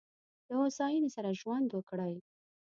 له هوساینې سره ژوند وکړئ.